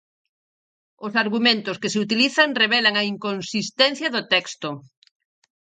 Os argumentos que se utilizan revelan a inconsistencia do texto.